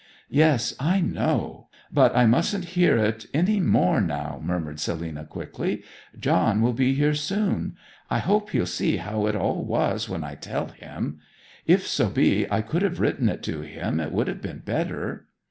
'Yes, I know! But I mustn't hear it any more now,' murmured Selina quickly. 'John will be here soon. I hope he'll see how it all was when I tell him. If so be I could have written it to him it would have been better.'